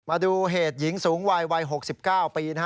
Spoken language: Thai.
มาดูเหตุหญิงสูงวัยวัย๖๙ปีนะฮะ